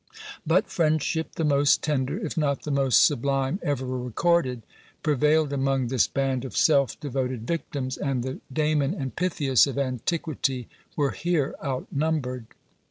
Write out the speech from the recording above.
But friendship the most tender, if not the most sublime ever recorded, prevailed among this band of self devoted victims; and the Damon and Pythias of antiquity were here out numbered.